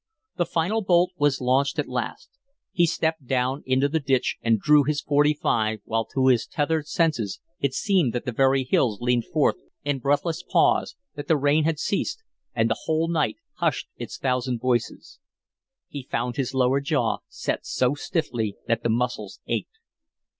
The final bolt was launched at last. He stepped down into the ditch and drew his .45, while to his tautened senses it seemed that the very hills leaned forth in breathless pause, that the rain had ceased, and the whole night hushed its thousand voices. He found his lower jaw set so stiffly that the muscles ached.